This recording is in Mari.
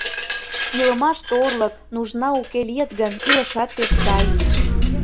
Илымаште орлык, нужна уке лийыт гын, илышат пеш сай.